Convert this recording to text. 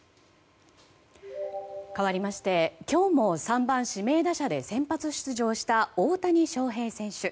かわりまして今日も３番指名打者で先発出場した大谷翔平選手。